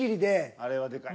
あれはでかい。